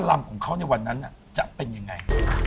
ลำของเขาในวันนั้นจะเป็นยังไง